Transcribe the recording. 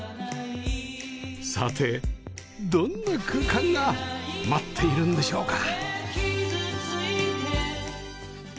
さてどんな空間が待っているんでしょうか？